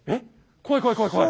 怖い怖い怖い怖い。